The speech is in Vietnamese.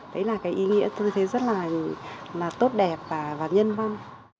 đấy là cái ý nghĩa tôi thấy rất là tốt đẹp và nhân văn